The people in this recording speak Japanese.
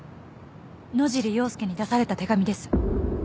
野尻要介に出された手紙です。